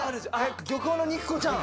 『漁港の肉子ちゃん』。